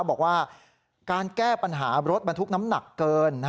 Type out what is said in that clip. บอกว่าการแก้ปัญหารถบรรทุกน้ำหนักเกิน